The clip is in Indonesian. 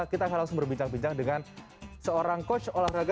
kita akan langsung berbincang bincang dengan seorang coach olahraga